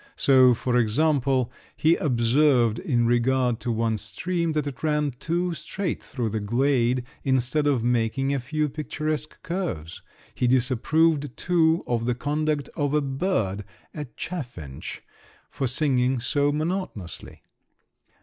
So, for example, he observed in regard to one stream that it ran too straight through the glade, instead of making a few picturesque curves; he disapproved, too, of the conduct of a bird—a chaffinch—for singing so monotonously.